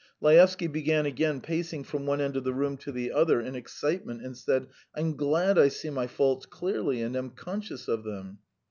Laevsky began again pacing from one end of the room to the other in excitement, and said: "I'm glad I see my faults clearly and am conscious of them.